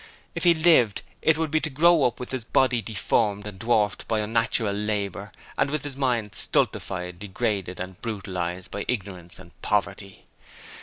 If he lived, it would be to grow up with his body deformed and dwarfed by unnatural labour and with his mind stultified, degraded and brutalized by ignorance and poverty.